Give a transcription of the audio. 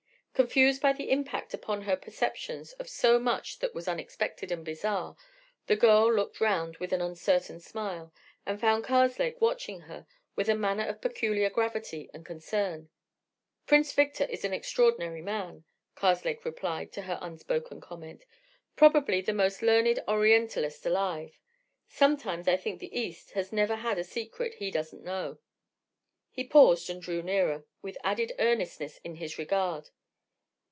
Confused by the impact upon her perceptions of so much that was unexpected and bizarre, the girl looked round with an uncertain smile, and found Karslake watching her with a manner of peculiar gravity and concern. "Prince Victor is an extraordinary man," Karslake replied to her unspoken comment; "probably the most learned Orientalist alive. Sometimes I think the East has never had a secret he doesn't know." He paused and drew nearer, with added earnestness in his regard.